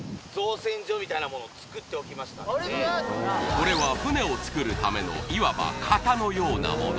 これは舟を作るためのいわば型のようなもの